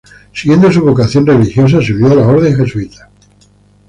Siguiendo su vocación religiosa, se unió a la orden Jesuita.